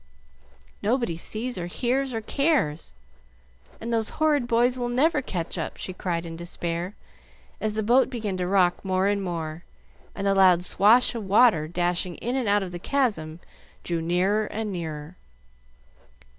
"Nobody sees or hears or cares, and those horrid boys will never catch up!" she cried in despair, as the boat began to rock more and more, and the loud swash of water dashing in and out of the Chasm drew nearer and nearer.